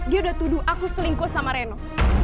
dia udah tuduh aku selingkuh sama reno